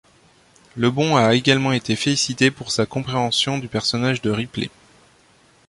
Lebbon a également été félicité pour sa compréhension du personnage de Ripley.